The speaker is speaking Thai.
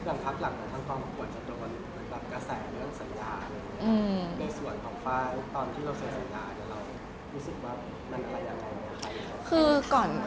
ในส่วนของค่าตอนที่เราเสียสัญญาณเรารู้สึกว่ามันอะไรยังไง